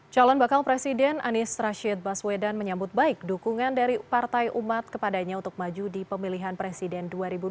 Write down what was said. calon bakal presiden anies rashid baswedan menyambut baik dukungan dari partai umat kepadanya untuk maju di pemilihan presiden dua ribu dua puluh